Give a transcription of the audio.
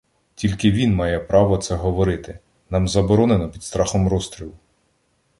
Тільки він має право це говорити, нам заборонено під страхом розстрілу.